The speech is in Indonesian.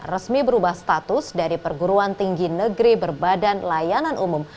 resmi berubah status dari perguruan tinggi negeri berbadan layanan umum